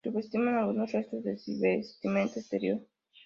Subsisten algunos restos de revestimiento exterior.